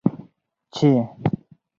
چې: